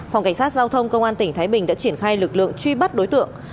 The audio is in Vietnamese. phòng cảnh sát giao thông công an tỉnh thái bình đã triển khai lực lượng truy bắt đối tượng